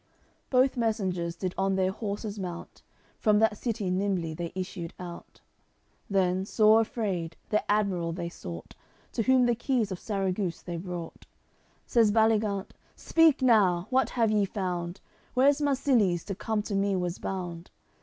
CXCIX Both messengers did on their horses mount; From that city nimbly they issued out. Then, sore afraid, their admiral they sought, To whom the keys of Sarraguce they brought. Says Baligant: "Speak now; what have ye found? Where's Marsilies, to come to me was bound?"